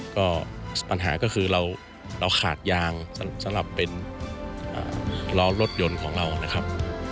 ก็ปัญหาก็คือเราขาดยางสำหรับเป็นล้อรถยนต์ของเรานะครับ